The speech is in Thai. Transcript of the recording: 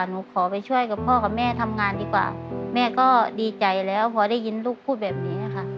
หนูขอไปช่วยกับพ่อกับแม่ทำงานดีกว่าแม่ก็ดีใจแล้วพอได้ยินลูกพูดแบบนี้ค่ะ